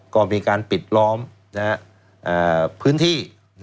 ก็มีการปิดล้อมพื้นที่